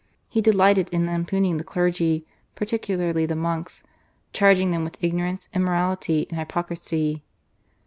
He delighted in lampooning the clergy, particularly the monks, charging them with ignorance, immorality, and hypocrisy.